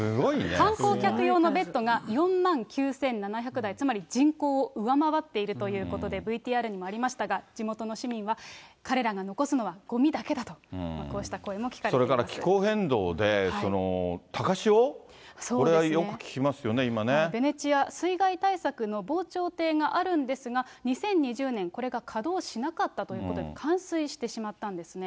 観光客用のベッドが４万９７００台、つまり人口を上回っているということで、ＶＴＲにもありましたが、地元の市民は、彼らが残すのはごみだけだと、それから気候変動で、高潮、ベネチア、水害対策の防潮堤があるんですが、２０２０年、これが稼働しなかったということで、冠水してしまったんですね。